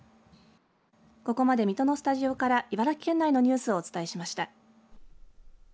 ここまで水戸のスタジオから茨城県内のニュースをお伝えしました。